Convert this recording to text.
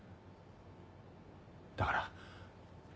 だから。